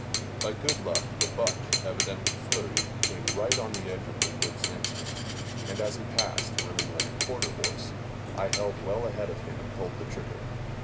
By good luck, the buck, evidently flurried, came right on the edge of the woods next to me, and, as he passed, running like a quarter horse, I held well ahead of him and pulled the trigger.